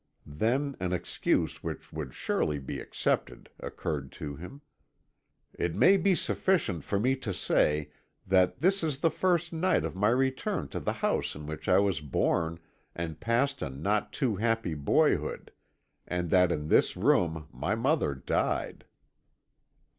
Then an excuse which would surely be accepted occurred to him. "It may be sufficient for me to say that this is the first night of my return to the house in which I was born and passed a not too happy boyhood, and that in this room my mother died."